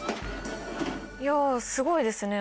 いやあすごいですね。